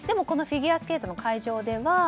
このフィギュアスケートの会場では？